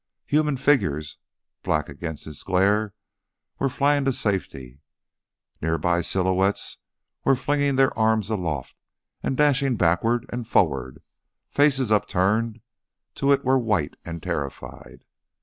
Human figures, black against its glare, were flying to safety, near by silhouettes were flinging their arms aloft and dashing backward and forward; faces upturned to it were white and terrified.